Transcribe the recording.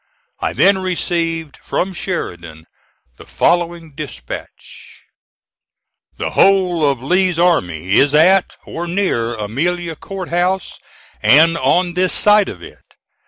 I then received from Sheridan the following dispatch: "The whole of Lee's army is at or near Amelia Court House, and on this side of it.